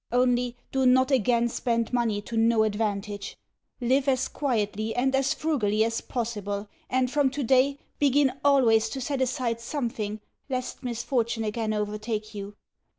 Only do not AGAIN spend money to no advantage. Live as quietly and as frugally as possible, and from today begin always to set aside something, lest misfortune again overtake you.